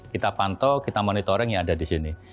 kita pantau kita monitoring yang ada di sini